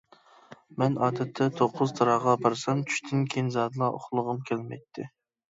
مەن ئادەتتە توققۇزتاراغا بارسام، چۈشتىن كېيىن زادىلا ئۇخلىغۇم كەلمەيتتى.